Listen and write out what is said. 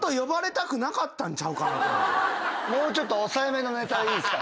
もうちょっと抑えめのネタいいっすか？